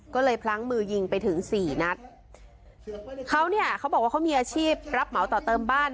ก็เลยพลั้งมือยิงไปถึงสี่นัดเขาเนี่ยเขาบอกว่าเขามีอาชีพรับเหมาต่อเติมบ้าน